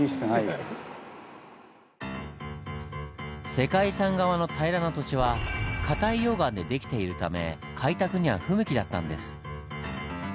世界遺産側の平らな土地はかたい溶岩で出来ているため開拓には不向きだったんです。